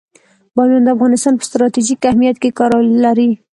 بامیان د افغانستان په ستراتیژیک اهمیت کې رول لري.